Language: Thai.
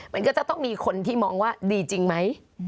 มันก็จะต้องมีคนที่มองว่าดีจริงไหม